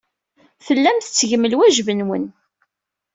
Tellam tettgem lwajeb-nwen.